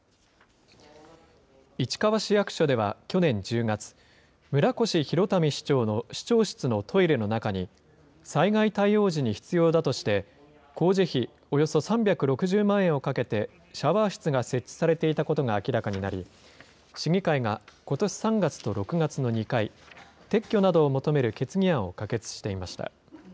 市川市役所では去年１０月、村越祐民市長の市長室のトイレの中に、災害対応時に必要だとして、工事費およそ３６０万円をかけて、シャワー室が設置されていたことが明らかになり、市議会がことし３月と６月の２回、撤去などを求める決議案を可決していました。